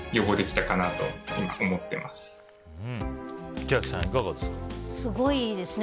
千秋さん、いかがですか？